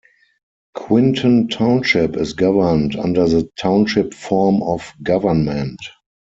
Quinton Township is governed under the Township form of government.